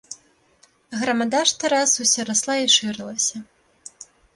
Грамада што раз усё расла і шырылася.